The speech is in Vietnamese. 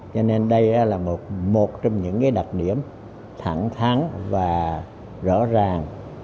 cho nên đây là một trong những đặc điểm thẳng tháng và rõ ràng